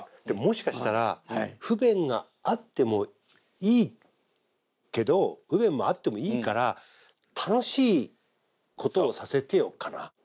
でもしかしたら不便があってもいいけど不便もあってもいいから楽しいことをさせてよかな。